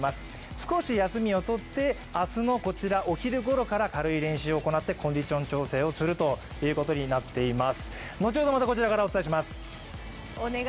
少し休みを取って、明日のこちらのお昼ごろから軽い練習を行ってコンディション調整をすることになっています。